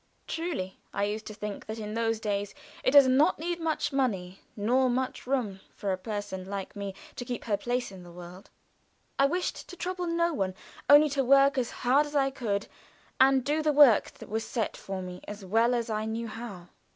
Truly, I used to think in those days, it does not need much money nor much room for a person like me to keep her place in the world. I wished to trouble no one only to work as hard as I could, and do the work that was set for me as well as I knew how.